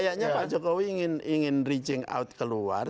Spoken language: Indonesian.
kayaknya pak jokowi ingin reaching out keluar